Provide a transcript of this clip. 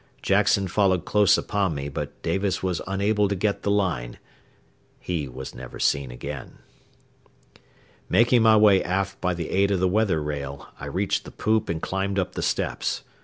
Jackson followed close upon me, but Davis was unable to get the line. He was never seen again. Making my way aft by the aid of the weather rail, I reached the poop and climbed up the steps.